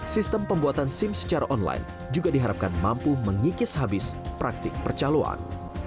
sistem pembuatan sim secara online juga diharapkan mampu mengikis habis praktik percaluan